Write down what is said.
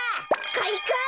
かいか！